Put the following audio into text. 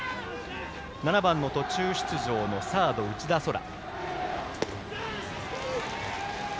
７番の途中出場のサード内田蒼空。